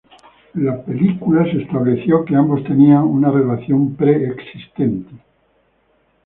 En la película se estableció que ambos tenían una relación pre-existente.